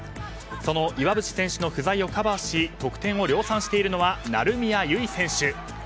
その岩渕選手の不在をカバーし得点を量産しているのは成宮唯選手。